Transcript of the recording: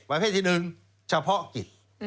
ประเภทที่หนึ่งเฉพาะกิจ